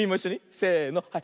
せのはい。